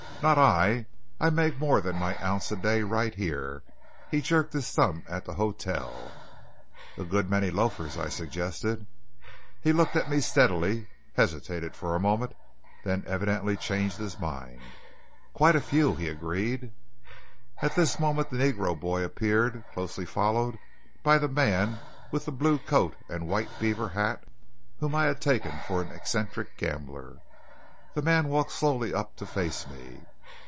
"Not I! I make more than my 'ounce a day' right here." He jerked his thumb at his hotel. "A good many 'loafers,'" I suggested. He looked at me steadily, hesitated for a moment, then evidently changed his mind. "Quite a few," he agreed. At this moment the negro boy appeared, closely followed by the man with the blue coat and white beaver hat whom I had taken for an eccentric gambler. This man walked slowly up to face me.